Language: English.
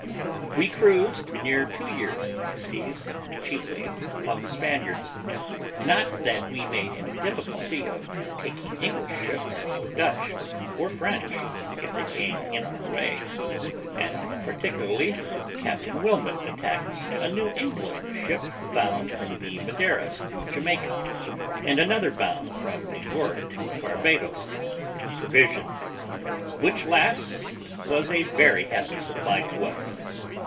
We cruised near two years in those seas, chiefly upon the Spaniards; not that we made any difficulty of taking English ships, or Dutch, or French, if they came in our way; and particularly, Captain Wilmot attacked a New England ship bound from the Madeiras to Jamaica, and another bound from New York to Barbados, with provisions; which last was a very happy supply to us.